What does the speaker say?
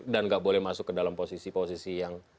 dan nggak boleh masuk ke dalam posisi posisi yang